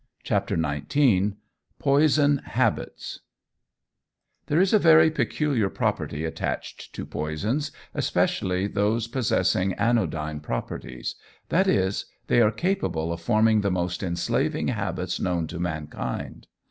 CHAPTER XIX POISON HABITS THERE is a very peculiar property attached to poisons, especially those possessing anodyne properties that is, they are capable of forming the most enslaving habits known to mankind.